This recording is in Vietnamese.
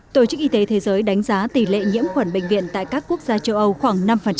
tổ chức y tế thế giới đánh giá tỷ lệ nhiễm khuẩn bệnh viện tại các quốc gia châu âu khoảng năm